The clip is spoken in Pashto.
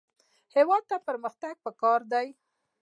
هېواد ته پرمختګ پکار دی